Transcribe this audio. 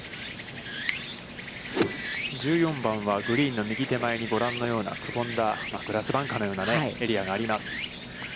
１４番は、グリーンの右手前に、ご覧のような、くぼんだ、グラスバンカーのようなエリアがあります。